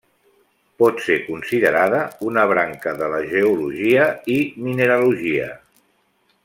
Pot ser considerada una branca de la geologia i mineralogia.